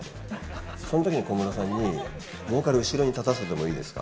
そのときに小室さんに、ボーカル後ろに立たせていいですか？